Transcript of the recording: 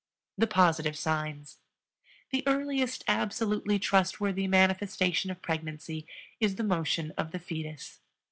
THE POSITIVE SIGNS. The earliest absolutely trustworthy manifestation of pregnancy is the motion of the fetus.